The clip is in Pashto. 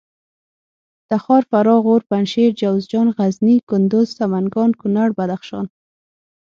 تخار فراه غور پنجشېر جوزجان غزني کندوز سمنګان کونړ بدخشان